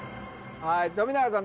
はい富永さん